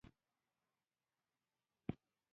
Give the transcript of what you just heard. زړه به يې ښه شي.